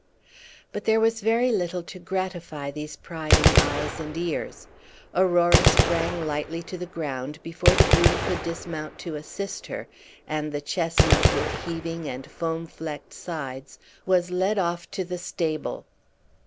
But there was very little to gratify these prying eyes and ears. Aurora sprang lightly to the ground before the groom could dismount to assist her, and the chestnut, with heaving and foam flecked sides, was led off to the stable.